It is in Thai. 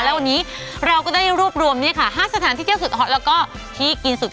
แล้ววันนี้เราก็ได้รวบรวม๕สถานที่เที่ยวสุดฮอตแล้วก็ที่กินสุด